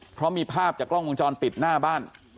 เพราะมีภาพจากกล้องวงจรปิดหน้าบ้าน